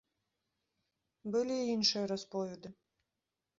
Былі і іншыя расповеды.